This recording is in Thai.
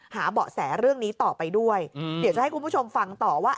เบาะแสเรื่องนี้ต่อไปด้วยเดี๋ยวจะให้คุณผู้ชมฟังต่อว่า